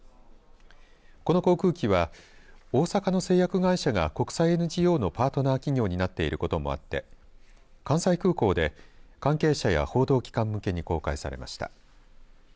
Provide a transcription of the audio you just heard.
この航空機は大阪の製薬会社が国際ＮＧＯのパートナー企業になっていることもあって関西空港で関係者や報道機関向けに公開されました。